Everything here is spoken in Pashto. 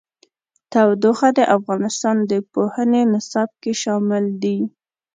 تودوخه د افغانستان د پوهنې نصاب کې شامل دي.